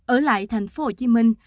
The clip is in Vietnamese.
ở lại thành phố hồ chí minh